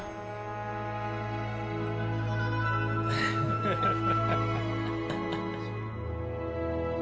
ハハハハハ。